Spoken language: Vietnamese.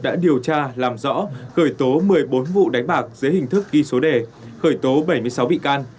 đã điều tra làm rõ khởi tố một mươi bốn vụ đánh bạc dưới hình thức ghi số đề khởi tố bảy mươi sáu bị can